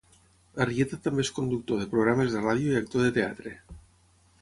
Arrieta també és conductor de programes de ràdio i actor de teatre.